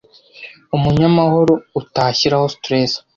umunyamahoro utashyiraho stress